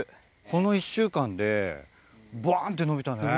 この１週間でバンって伸びたね。